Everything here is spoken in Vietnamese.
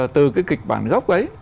từ cái kịch bản gốc ấy